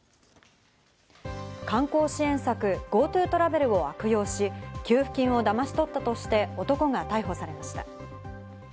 観光支援策、ＧｏＴｏトラベルを悪用し、給付金をだまし取ったとして男が逮捕されました。